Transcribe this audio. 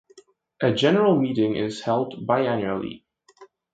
A General Meeting is held biannually.